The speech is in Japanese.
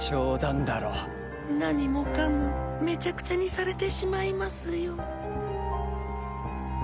何もかもめちゃくちゃにされてしまいますよ。